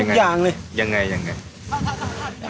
เยอะอย่างเลยอะไรอย่างไรอย่างไรอย่างไร